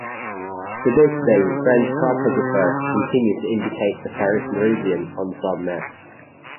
To this day, French cartographers continue to indicate the Paris meridian on some maps.